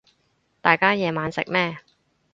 大家夜晚食咩